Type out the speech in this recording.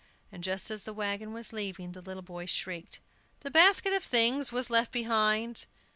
And just as the wagon was leaving, the little boys shrieked, "The basket of things was left behind!"